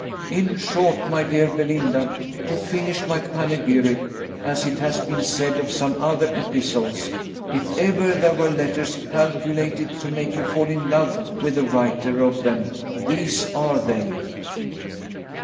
In short, my dear Belinda, to finish my panegyric, as it has been said of some other epistles, if ever there were letters calculated to make you fall in love with the writer of them, these are they."